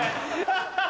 ハハハ！